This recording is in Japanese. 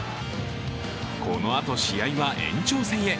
このあと、試合は延長戦へ。